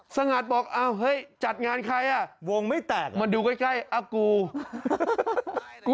สงัดบอกเอ้าเฮ้ยจัดงานใครอ่ะ